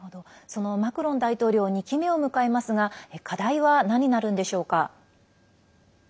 そのマクロン大統領２期目を迎えますが課題は何になるんでしょうか？